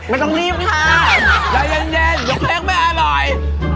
ไม่ต้องรีบค่ะอย่าเย็นเดี๋ยวเพลงไม่อร่อย